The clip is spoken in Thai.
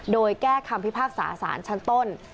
โดยแก้คำพิพากษาสารชั้นต้น